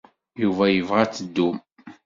Yuba yebɣa ad teddum.